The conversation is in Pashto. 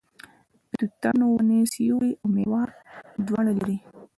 د توتانو ونې سیوری او میوه دواړه لري.